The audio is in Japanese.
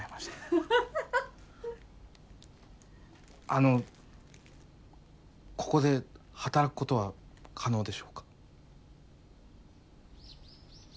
あのここで働くことは可能でしょうか？